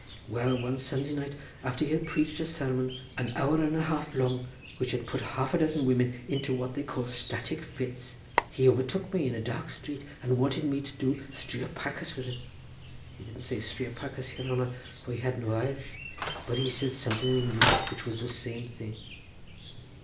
Well, one Sunday night after he had preached a sermon an hour and a half long, which had put half a dozen women into what they call static fits, he overtook me in a dark street and wanted me to do striopachas with him—he didn't say striopachas, yer hanner, for he had no Irish—but he said something in English which was the same thing."